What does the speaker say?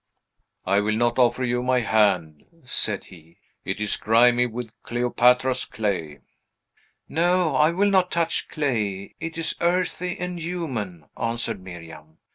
"I will not offer you my hand," said he; "it is grimy with Cleopatra's clay." "No; I will not touch clay; it is earthy and human," answered Miriam.